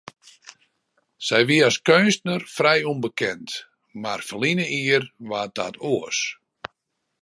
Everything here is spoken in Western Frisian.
Sy wie as keunstner frij ûnbekend, mar ferline jier waard dat oars.